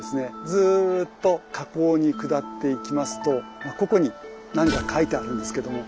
ずっと河口に下っていきますとここに何か書いてあるんですけども。